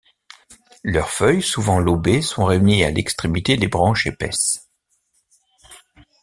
Leurs feuilles souvent lobées sont réunies à l'extrémité des branches épaisses.